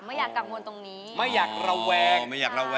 ไม่อยากแลวแว้ง